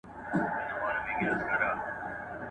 مالداري د کلیو اقتصاد پیاوړی کوي.